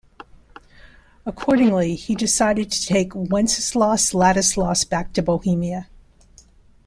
Accordingly, he decided to take Wenceslaus-Ladislaus back to Bohemia.